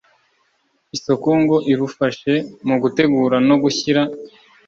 isoko ngo irufashe mu gutegura no gushyira